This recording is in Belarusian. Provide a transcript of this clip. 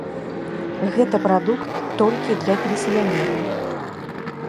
Гэта прадукт толькі для пенсіянераў.